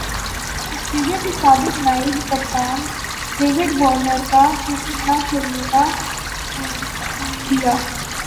Australia کے سابق نائب کپتان ڈیوڈ وارنر کا کرکٹ نہ کھیلنے کا عندیہ